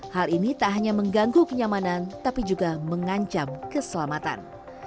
hal ini tak hanya mengganggu kenyamanan tapi juga mengancam keselamatan